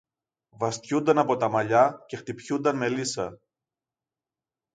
βαστιούνταν από τα μαλλιά και χτυπιούνταν με λύσσα.